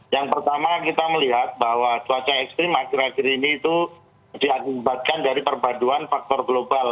yang pertama kita melihat bahwa cuaca ekstrim akhir akhir ini itu diakibatkan dari perbaduan faktor global